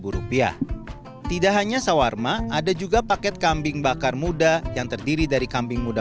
sembilan puluh tujuh ribu rupiah tidak hanya sawarma ada juga paket kambing bakar muda yang terdiri dari kambing muda